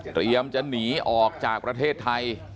เตรียมจะหนีออกจากประเทศไทย